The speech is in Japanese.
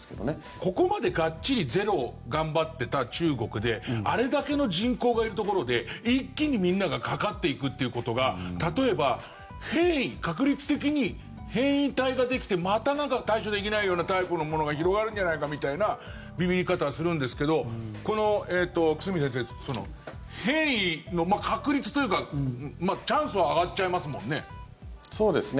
ここまでがっちりゼロを頑張っていた中国であれだけの人口がいるところで一気にみんながかかっていくということが例えば変異確率的に変異体ができてまた対処できないようなタイプのものが広がるんじゃないかみたいなびびり方をするんですけど久住先生、変異の確率というかチャンスは上がっちゃいますもんね。